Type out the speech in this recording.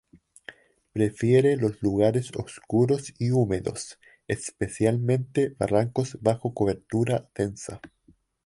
Prefiere los lugares oscuros y húmedos, especialmente barrancos bajo cobertura densa.